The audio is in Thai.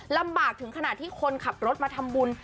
ลำบากถึงขนาดที่คนขับรถมาทำบุญ